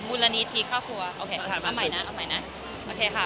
มูลนิธิครอบครัวโอเคถามเอาใหม่นะเอาใหม่นะโอเคค่ะ